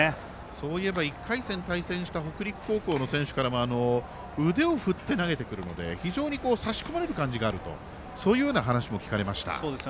そういえば１回戦対戦した北陸高校の選手からも腕を振って投げてくるので非常に差し込まれる感じがあるとそういうような話も聞かれました。